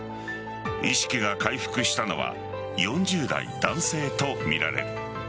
意識が回復したのは４０代男性とみられる。